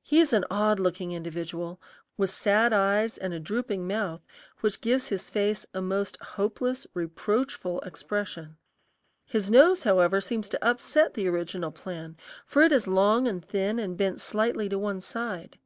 He is an odd looking individual, with sad eyes and a drooping mouth which gives his face a most hopeless, reproachful expression. His nose, however, seems to upset the original plan, for it is long and thin and bent slightly to one side.